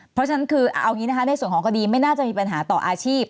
เพราะฉะนั้นคือเอาอย่างนี้นะคะในส่วนของคดีไม่น่าจะมีปัญหาต่ออาชีพ